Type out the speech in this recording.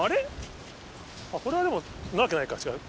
これはなわけないか違う。